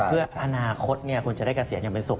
เพื่ออนาคตคุณจะได้เกษียณอย่างเป็นสุข